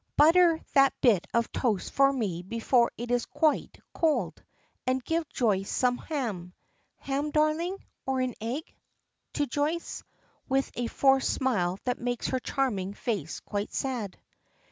"Butter that bit of toast for me before it is quite cold, and give Joyce some ham. Ham, darling? or an egg?" to Joyce, with a forced smile that makes her charming face quite sad.